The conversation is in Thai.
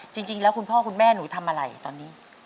จริงแล้วคุณพ่อคุณแม่หนูทำอะไรตอนนี้